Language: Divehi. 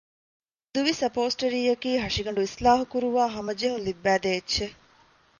ދުވި ސަޕޯސްޓަރީއަކީ ހަށިގަނޑު އިޞްލާޙުކުރުވައި ހަމަޖެހުން ލިއްބައިދޭ އެއްޗެއް